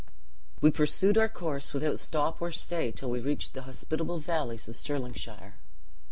"We pursued our course without stop or stay till we reached the hospitable valleys of Stirlingshire.